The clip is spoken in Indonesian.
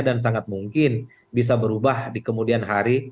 dan sangat mungkin bisa berubah di kemudian hari